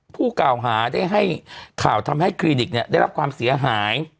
ผู้กล่าวหาได้ให้ข่าวทำให้คลินิกได้รับความเสียหาย